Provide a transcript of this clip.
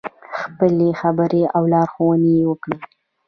خپلې خبرې او لارښوونې یې وکړې.